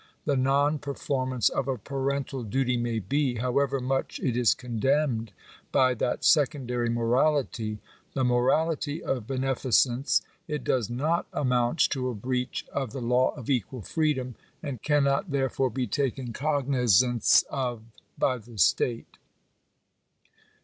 the non performance of a parental duty may be — however much it is condemned by that secondary morality — the morality of be neficence (pp. 68 and 69) — it does not amount to a breach of the law of equal freedom, and cannot therefore be taken cognizance of by the state.